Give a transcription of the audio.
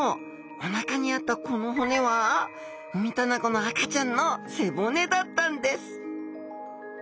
お腹にあったこの骨はウミタナゴの赤ちゃんの背骨だったんです。